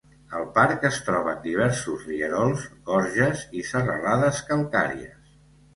Al parc es troben diversos rierols, gorges i serralades calcàries.